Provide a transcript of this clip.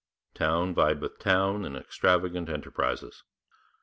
Town vied with town in extravagant enterprises.